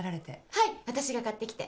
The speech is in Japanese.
はいわたしが買ってきて。